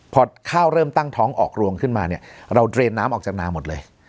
พอข้าวเริ่มตั้งท้องออกรวงขึ้นมาเนี่ยเราเทรนน้ำออกจากนาหมดเลย